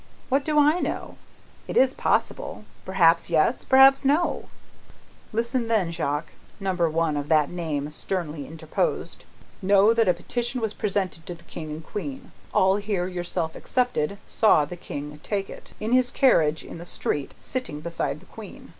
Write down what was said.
What do I know? It is possible. Perhaps yes, perhaps no." "Listen then, Jacques," Number One of that name sternly interposed. "Know that a petition was presented to the King and Queen. All here, yourself excepted, saw the King take it, in his carriage in the street, sitting beside the Queen.